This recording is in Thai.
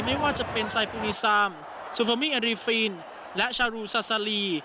ไม่ว่าจะเป็นไซฟูมีซามซูฟามีอารีฟีนและชารูซาซาลี